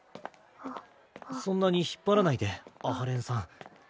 そんなに引っ張らないで阿波連さん。